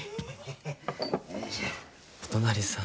お隣さん